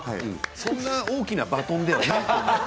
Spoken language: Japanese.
そんな大きなバトンではない。